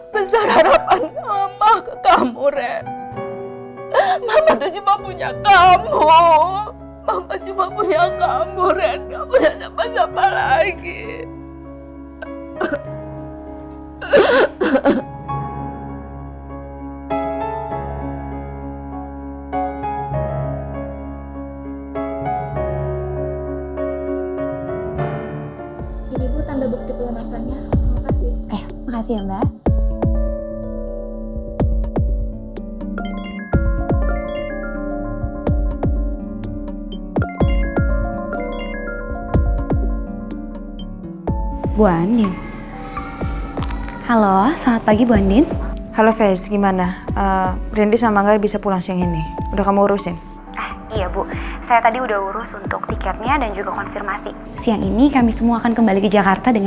besar harapan mama ke kamu ren